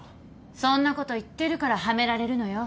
そんなこと言ってるからはめられるのよ。